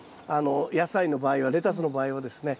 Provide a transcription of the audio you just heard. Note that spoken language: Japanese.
野菜の場合はレタスの場合はですね